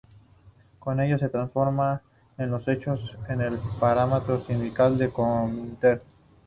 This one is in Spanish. Con ello se transforma en los hechos en el aparato sindical del Comintern.